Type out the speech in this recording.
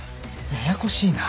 ややこしいな。